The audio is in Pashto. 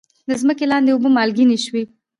د ځمکې لاندې اوبه مالګینې شوي؟